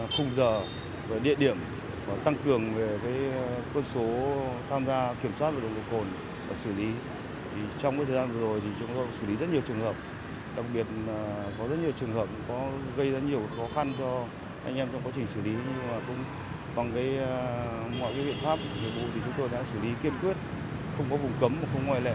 chúng tôi đã xử lý kiên quyết không có vùng cấm không có ngoài lệ